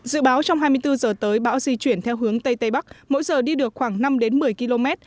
dự báo trong hai mươi bốn giờ tới bão di chuyển theo hướng tây tây bắc mỗi giờ đi được khoảng năm một mươi km